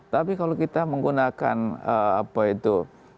tapi kalau kita menggunakan apa itu